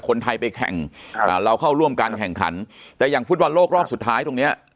คนไทยไปแข่งอ่าเราเข้าร่วมการแข่งขันแต่อย่างฟุตบอลโลกรอบสุดท้ายตรงเนี้ย